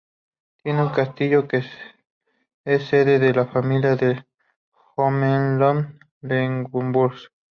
Tiene un castillo que es sede de la familia de los Hohenlohe-Langenburg.